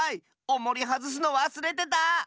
おもりはずすのわすれてた！